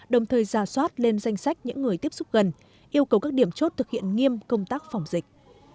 đồng thời ra soát lên danh sách những người tiếp xúc gần yêu cầu các điểm chốt thực hiện nghiêm công tác phòng dịch